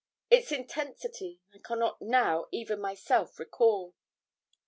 Its intensity I cannot now even myself recall.